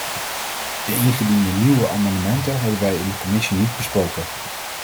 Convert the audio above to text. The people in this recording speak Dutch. De ingediende nieuwe amendementen hebben wij in de commissie niet besproken.